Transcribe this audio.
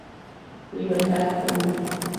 Libertad I